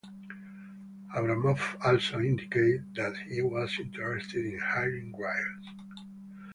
Abramoff also indicated that he was interested in hiring Griles.